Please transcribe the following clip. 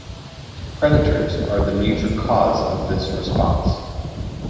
Predators are the major cause of this response.